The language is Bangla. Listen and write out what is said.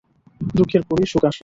দুঃখের পরেই সুখ আসে।